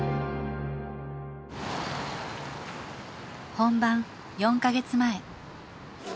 本番４か月前。